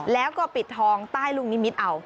แล้วก็ปิดทองใต้ลุงนิมิตเอา